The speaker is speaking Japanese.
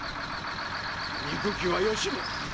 憎きは吉宗！